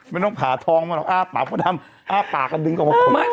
ไม่ต้องผาทองมาหรอกอ้าปากก็ทำอ้าปากก็ดึงกลงมาขนาดนี้